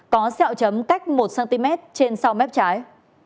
có xeo chấm cách một cm trên sau mép trái